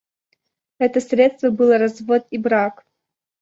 Это средство было развод и брак.